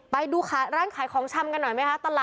ไปดูร้านขายของชำกันหน่อยไหมคะ